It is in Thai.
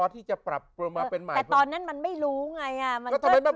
ตอนนั้นมันไม่รู้ไง